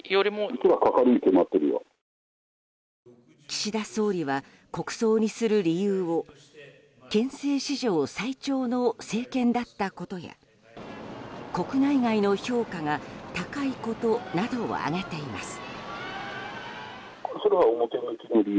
岸田総理は国葬にする理由を憲政史上最長の政権だったことや国内外の評価が高いことなどを挙げています。